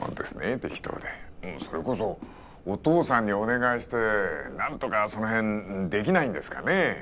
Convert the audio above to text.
適当でそれこそお父さんにお願いして何とかその辺できないんですか？